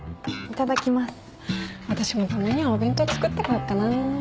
私もたまにはお弁当作ってこようかな。